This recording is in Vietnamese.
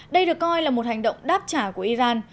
đây được coi là một hành động đáp trả của iran